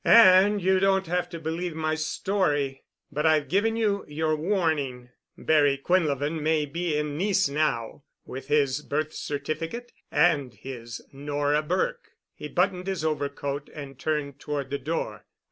"And you don't have to believe my story. But I've given you your warning. Barry Quinlevin may be in Nice now, with his birth certificate and his Nora Burke." He buttoned his overcoat and turned toward the door.